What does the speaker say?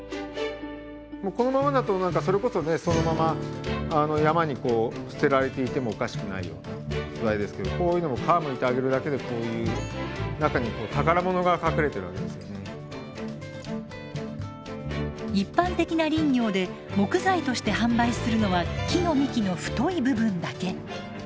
もうこのままだと何かそれこそねそのまま山に捨てられていてもおかしくないような素材ですけどこういうのも一般的な林業で木材として販売するのは木の幹の太い部分だけ。